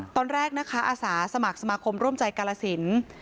ตอนแรกนะคะอาสาสมัครสมาคมร่วมใจกาลสิน